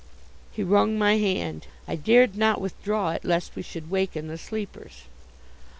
He wrung my hand. I dared not withdraw it, lest we should waken the sleepers.